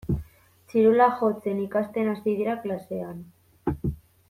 Txirula jotzen ikasten hasi dira klasean.